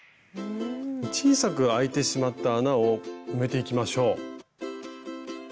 小さくあいてしまった穴を埋めていきましょう。